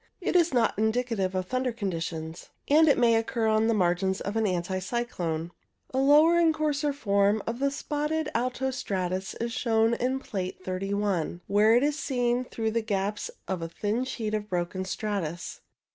It is not indicative of thunder conditions, and it may occur on the margins of an anticyclone. A lower and coarser form of the spotted alto stratus is shown in Plate 31, where it is seen through the gaps in a thin sheet of broken stratus.